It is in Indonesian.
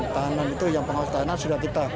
tahanan itu yang pengawas tahanan sudah kita